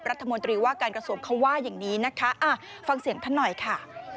รัฐมนตรีว่าการกระทรวงเขาว่าอย่างนี้นะคะฟังเสียงท่านหน่อยค่ะ